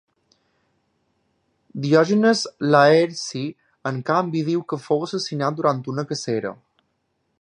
Diògenes Laerci en canvi diu que fou assassinat durant una cacera.